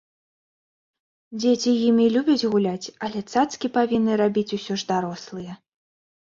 Дзеці імі любяць гуляць, але цацкі павінны рабіць усё ж дарослыя.